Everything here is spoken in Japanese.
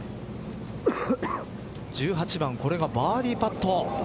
１８番これがバーディーパット。